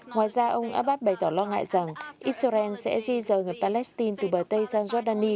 ngoài ra ông abbas bày tỏ lo ngại rằng israel sẽ di rời người palestine từ bờ tây sang jordani